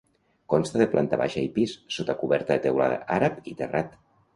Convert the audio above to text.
Consta de planta baixa i pis, sota coberta de teula àrab i terrat.